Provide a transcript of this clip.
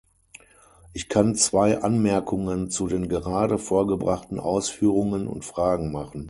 Ich kann zwei Anmerkungen zu den gerade vorgebrachten Ausführungen und Fragen machen.